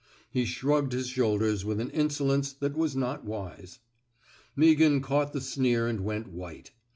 He shrugged his shoulders with an insolence that was not wise. Meaghan caught the sneer and went white.